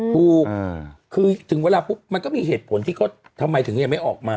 ถูกคือถึงเวลาปุ๊บมันก็มีเหตุผลที่เขาทำไมถึงยังไม่ออกมา